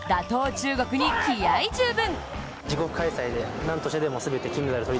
中国に気合い十分。